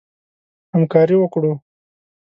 همکاري وکړو.